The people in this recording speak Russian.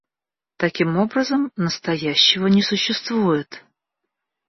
Таким образом, настоящего не существует.